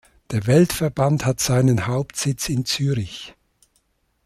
Der Weltverband hat seinen Hauptsitz in Zürich.